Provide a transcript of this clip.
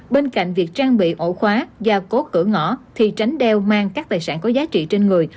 bên cạnh việc trang bị ổ khóa gia cố cửa ngõ thì tránh đeo mang các tài sản có giá trị trên người